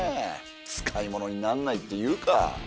使いものになんないっていうか。